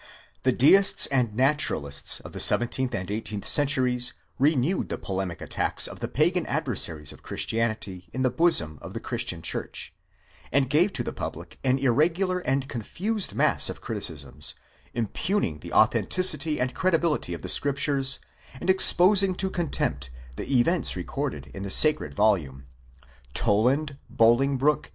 The deists and naturalists of the seventeenth and eighteenth centuries re newed the polemic attacks of the pagan adversaries of Christianity in the bosom of the christian ¢hurch; and gave to the public an irregular and con fused mass of criticisms, impugning the authenticity and credibility of the Scrip tures, and exposing to contempt the events recorded in the sacred volume, Toland,! Bolingbroke